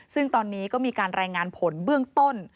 ซึ่งตอนนี้ก็มีการรายงานผลเบื้องต้น